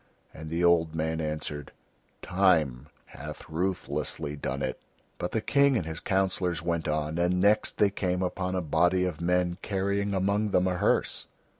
And the old man answered: "Time hath ruthlessly done it." But the King and his councillors went on, and next they came upon a body of men carrying among them a hearse.